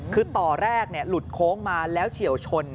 คือต่อแรกหลุดโค้งมาแล้วเฉียวชน